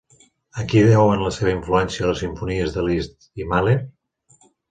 A qui deuen la seva influència les simfonies de Liszt i Mahler?